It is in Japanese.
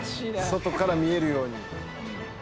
外から見えるように。